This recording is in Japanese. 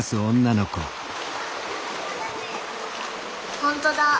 本当だ。